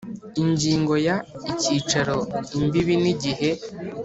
Ingingo ya icyicaro imbibi n igihe